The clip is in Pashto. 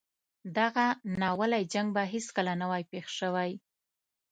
دغه ناولی جنګ به هیڅکله نه وای پېښ شوی.